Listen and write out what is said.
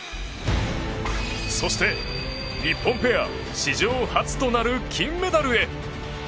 そして日本ペア史上初となる金メダルへ。